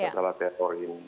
kecuali sektor ini